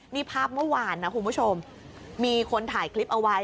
นี่ภาพเมื่อวานนะคุณผู้ชมมีคนถ่ายคลิปเอาไว้